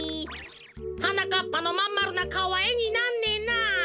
はなかっぱのまんまるなかおはえになんねえな。